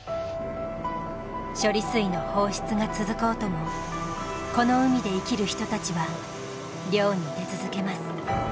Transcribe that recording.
処理水の放出が続こうともこの海で生きる人たちは漁に出続けます。